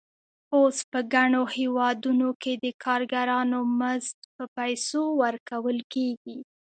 اوس په ګڼو هېوادونو کې د کارګرانو مزد په پیسو ورکول کېږي